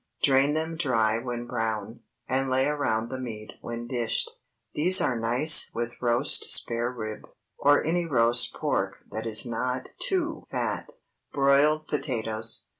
Drain them dry when brown, and lay around the meat when dished. These are nice with roast spare rib, or any roast pork that is not too fat. BROILED POTATOES.